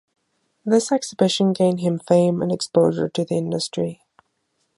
This exhibition gained him fame and exposure to the industry.